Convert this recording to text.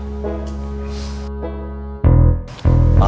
pertama kali aku nolong kamu